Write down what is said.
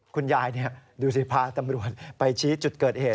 คุณยายดูสิพาตำรวจไปชี้จุดเกิดเหตุ